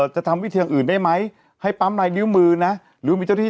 จะทำวิธีอื่นได้ไหมให้ปั๊มลายนิ้วมือนะหรือมีเจ้าที่